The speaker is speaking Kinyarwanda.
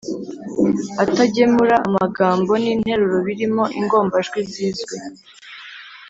atagemura amagambo n’interuro birimo ingombajwi zizwe.